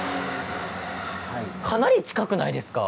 かなり近くないですか？